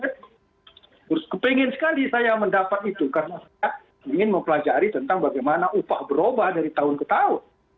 terus kepingin sekali saya mendapat itu karena saya ingin mempelajari tentang bagaimana upah berubah dari tahun ke tahun